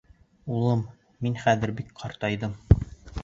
— Улым, мин хәҙер бик ҡартайҙым.